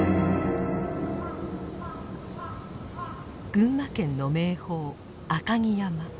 群馬県の名峰赤城山。